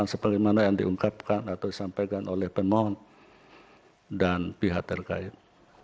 sebagaimana yang diungkapkan atau disampaikan oleh pemohon dan pihak terkait